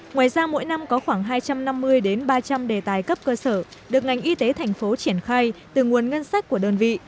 ngoài ra mỗi năm có khoảng hai trăm năm mươi đến ba trăm linh đề tài cấp cơ sở được ngành y tế thành phố triển khai từ nguồn ngân sách của đơn vị